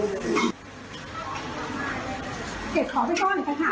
กระโตะ